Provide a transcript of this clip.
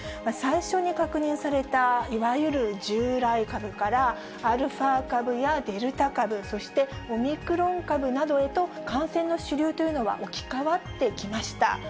最初に確認されたいわゆる従来株からアルファ株やデルタ株、そしてオミクロン株などへと感染の主流というのは、置き換わってきました。